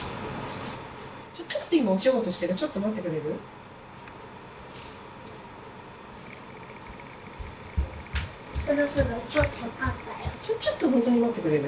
ちょっと今、お仕事してる、ちょっと待ってくれる？